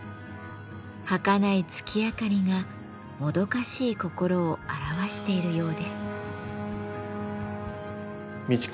はかない月明かりがもどかしい心を表しているようです。